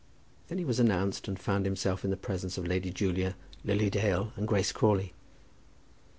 Then he was announced, and found himself in the presence of Lady Julia, Lily Dale, and Grace Crawley.